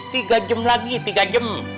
tiga jam lagi tiga jam